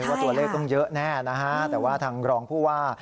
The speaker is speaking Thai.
ว่าตัวเลขต้องเยอะแน่นะฮะแต่ว่าทางรองผู้ว่า